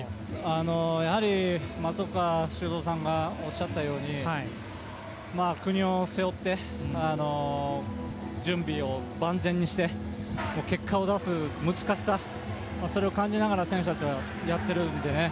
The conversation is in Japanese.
やはり松岡修造さんがおっしゃったように国を背負って、準備を万全にして結果を出す難しさを感じながら選手たちはやっているのでね。